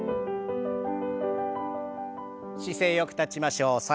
姿勢よく立ちましょう。